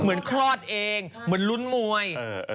เหมือนคลอดเองเหมือนลุ้นมวย